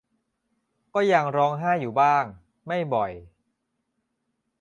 ก็ยังร้องไห้อยู่บ้าง ไม่บ่อย